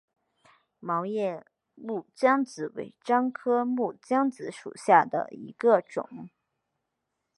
毛叶木姜子为樟科木姜子属下的一个种。